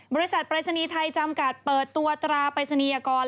บริษัทปรายศนีย์ไทยจำกัดเปิดตัวตราปริศนียกร